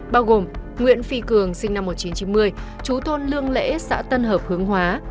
bao gồm nguyễn phi cường sinh năm một nghìn chín trăm chín mươi chú thôn lương lễ xã tân hợp hướng hóa